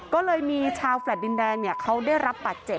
ก็เลยมีชาวแฟลต์ดินแดงเขาได้รับบาดเจ็บ